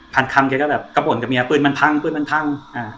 ผ่านคำแกบะปะกะโบร์นกับเมียต์แล้วปืนมันพัง